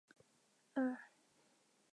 克莱埃布尔。